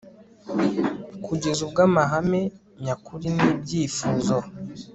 kugeza ubwo amahame nyakuri nibyifuzo